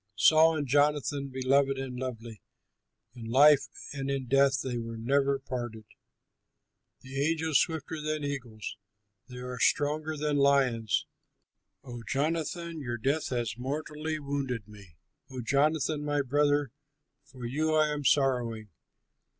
"Saul and Jonathan, beloved and lovely! In life and in death they were never parted; They were swifter than eagles, They were stronger than lions. "O Jonathan, your death has mortally wounded me, O Jonathan, my brother, for you I am sorrowing.